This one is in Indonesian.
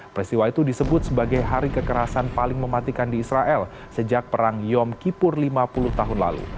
peristiwa itu disebut sebagai hari kekerasan paling mematikan di israel sejak perang yom kipur lima puluh tahun lalu